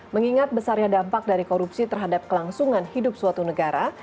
mengingat besarnya dampak dari korupsi terhadap kelangsungan hidup suatu negara